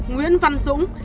nguyễn văn dũng